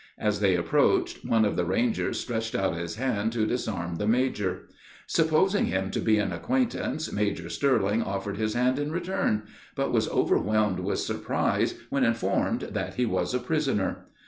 As they approached, one of the Rangers stretched out his hand to disarm the major. Supposing him to be an acquaintance, Major Sterling offered his hand in return, but was overwhelmed with surprise when informed that he was a prisoner.